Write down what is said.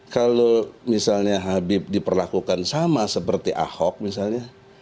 kalau misalnya habib diperlakukan sama seperti ahok misalnya